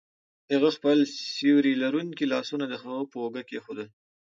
هغه خپل سیوري لرونکي لاسونه د هغه په اوږه کیښودل